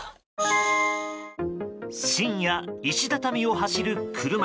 深夜、石畳を走る車。